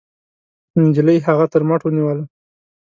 نجلۍ هغه تر مټ ونيوله.